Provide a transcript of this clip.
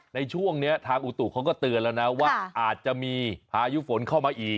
ในช่วงนี้ทางอุตุเขาก็เตือนแล้วนะว่าอาจจะมีพายุฝนเข้ามาอีก